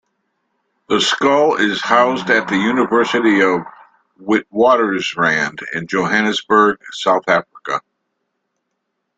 The skull is housed at the University of the Witwatersrand in Johannesburg, South Africa.